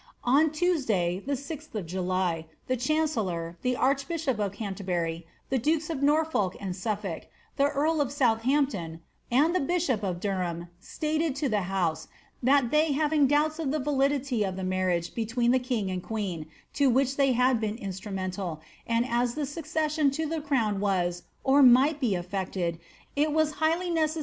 On Tuesday, the 6th of July, the chi cellor, the archbishop of Canterbury, the dukes of Norfolk and Sufi the earl of Southampton, and the bishop of Durham, stated to house, that they having doubts of the validity of the marriage beiwi the king and queen, to which they had been instrumental, and as Muccession to the crown was, or might be aflfected, it was highly nee ' Parliamentary History, vol.